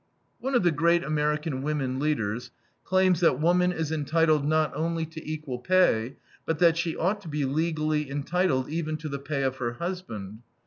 One of the great American women leaders claims that woman is entitled not only to equal pay, but that she ought to be legally entitled even to the pay of her husband.